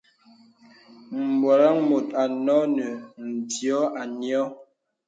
M̀bwarəŋ mùt ɔ̀nə nə vyɔ̀ a nyɔ̀.